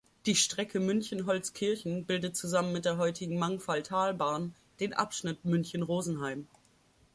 Die Strecke München–Holzkirchen bildet zusammen mit der heutigen Mangfalltalbahn den Abschnitt München–Rosenheim.